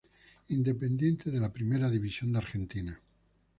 Independiente de la Primera División de Argentina.